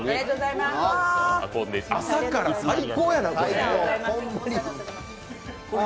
朝から最っ高やな、これ。